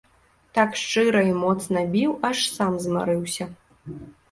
Так шчыра і моцна біў, аж сам змарыўся.